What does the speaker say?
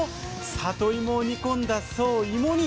里芋を煮込んだ、そう芋煮。